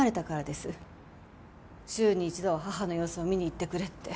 週に一度は義母の様子を見に行ってくれって。